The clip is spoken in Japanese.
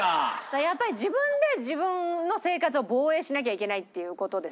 やっぱり自分で自分の生活を防衛しなきゃいけないっていう事ですよね。